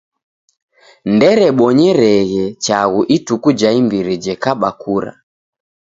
Ndererebonyereghe chaghu ituku ja imbiri jekaba kura.